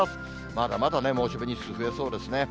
まだまだね、猛暑日日数増えそうですね。